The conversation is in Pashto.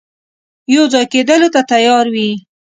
یو ځای کېدلو ته تیار وي.